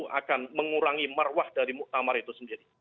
itu akan mengurangi marwah dari muktamar itu sendiri